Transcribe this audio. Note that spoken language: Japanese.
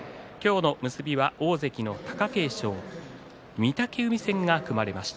結びが大関の貴景勝御嶽海戦が組まれました。